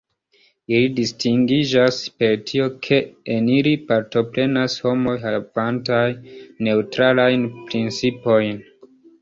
Ili distingiĝas per tio, ke en ili partoprenas homoj, havantaj neŭtralajn principojn.